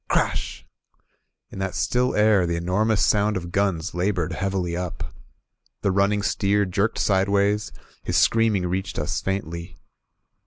Crash! In that still air, the enormous sound of guns labored heavily up. The running steer jerked sideways, — ^his screaming reached us faintly.